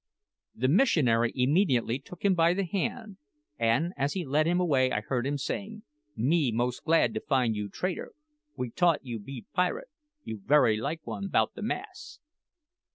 The missionary immediately took him by the hand, and as he led him away I heard him saying, "me most glad to find you trader; we t'ought you be pirate. You very like one 'bout the masts."